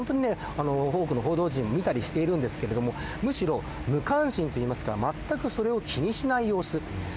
多くの報道陣を見たりしているんですけどむしろ無関心といいますかまったくそれを気にしない様子。